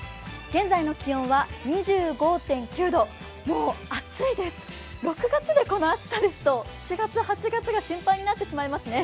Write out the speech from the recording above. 現在の気温は２５．９度、もう暑いです、６月でこの暑さですと７月、８月が心配になってしまいますね。